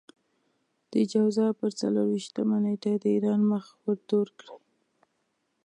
د جوزا پر څلور وېشتمه نېټه د ايران مخ ورتور کړئ.